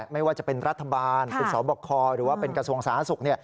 ไม่ว่าจะเป็นรัฐบาลเป็นสบคหรือว่าเป็นกระทรวงสาธารณสุข